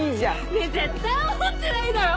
ねえ絶対思ってないだろ。